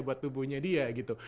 buat tubuhnya dia gitu